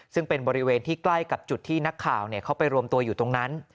ซึ่งเป็นบริเวณที่ใกล้กับจุดที่นักข่าวเขาไปรวมตัวอยู่ตรงนั้น